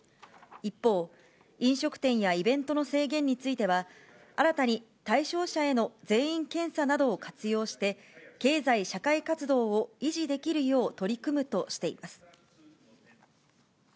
一方、飲食店やイベントの制限については、新たに対象者への全員検査などを活用して、経済社会活動を維持できるよう取り組むとしています。